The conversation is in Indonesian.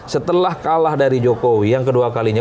setelah kalah dari jokowi yang kedua kalinya